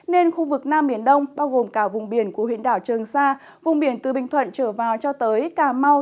nên khu vực nam biển đông bao gồm cả vùng biển của huyện đảo trường sa vùng biển từ bình thuận trở vào cho tới cà mau